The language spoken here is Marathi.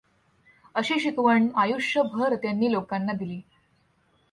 अशी शिकवण आयुष्यभर त्यांनी लोकांना दिली.